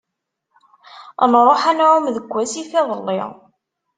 Nruḥ ad nɛumm deg wasif iḍelli.